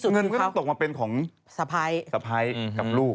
เงินก็ตกมาเป็นของสะพ้ายกับลูก